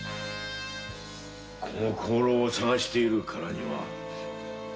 この香炉を探しているからには。